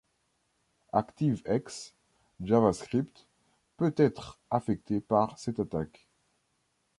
ActiveX, JavaScript peut être affecté par cette attaque.